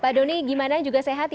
pak doni gimana juga sehat ya